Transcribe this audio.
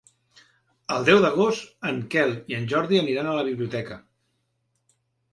El deu d'agost en Quel i en Jordi aniran a la biblioteca.